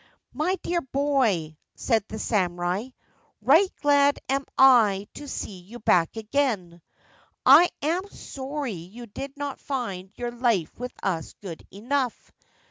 * My dear boy/ said the samurai, c right glad am I to see you back again. I am sorry you did not find your life with us good enough.